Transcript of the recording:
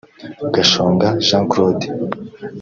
Gashonga Jean Claude